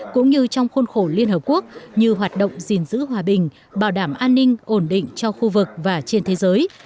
cũng như trong khuôn khổ liên hợp quốc như hoạt động gìn giữ hòa bình bảo đảm an ninh ổn định cho khu vực và trên thế giới